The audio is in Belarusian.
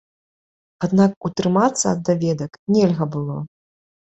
Аднак утрымацца ад даведак нельга было.